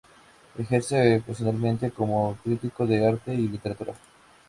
Ejerce ocasionalmente como crítico de arte y literatura.